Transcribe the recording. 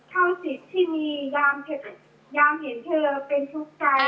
เท่าสิทธิ์ที่มียามเห็นเธอเป็นทุกข์ใจ